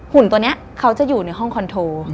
หุ่นตัวนี้เขาจะอยู่ในห้องคอนโท